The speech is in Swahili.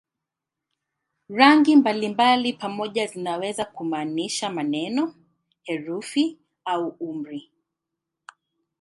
Rangi mbalimbali pamoja zinaweza kumaanisha maneno, herufi au amri.